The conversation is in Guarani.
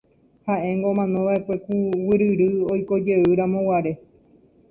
Ha'éngo omanova'ekue ku guyryry oikojeyramoguare.